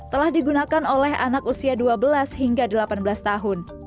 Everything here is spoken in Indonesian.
telah digunakan oleh anak usia dua belas hingga delapan belas tahun